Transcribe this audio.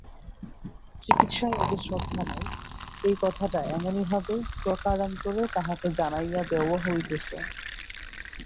চিকিৎসায় ওদের শ্রদ্ধা নাই, এই কথাটা এমনিভাবে প্রকারান্তরে তাহাকে জানাইয়া দেওয়া হইতেছে।